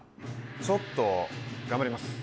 ちょっと頑張ります。